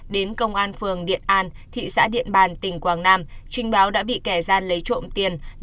đến công an phường điện an thị xã điện bàn tỉnh quảng nam trình báo đã bị kẻ gian lấy trộm tiền